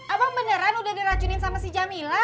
abang beneran udah diracunin sama si jamila